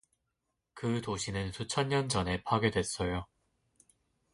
그 도시는 수천 년 전에 파괴됐어요.